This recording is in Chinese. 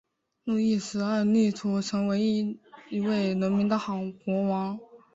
路易十二力图成为一位人民的好国王。